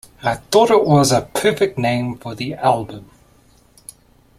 I thought it was a perfect name for the album.